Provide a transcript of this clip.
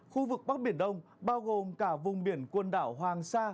khu vực bắc biển đông bao gồm cả vùng biển quần đảo hoàng sa